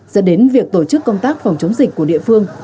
dẫn đến việc tổ chức công tác phòng chống dịch của địa phương